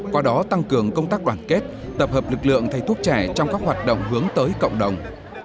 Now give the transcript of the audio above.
qua đó tăng cường công tác đoàn kết tập hợp lực lượng thầy thuốc trẻ trong các hoạt động hướng tới cộng đồng